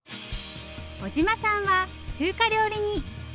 尾島さんは中華料理人。